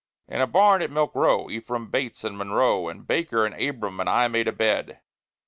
In a barn at Milk Row, Ephraim Bates and Munroe And Baker and Abram and I made a bed.